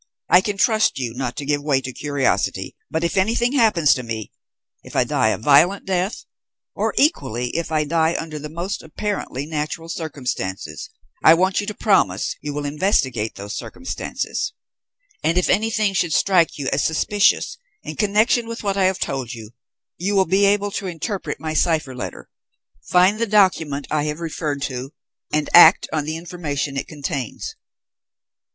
I can trust you not to give way to curiosity, but if anything happens to me, if I die a violent death, or equally if I die under the most apparently natural circumstances, I want you to promise you will investigate those circumstances; and, if anything should strike you as suspicious in connection with what I have told you, you will be able to interpret my cipher letter, find the document I have referred to, and act on the information it contains.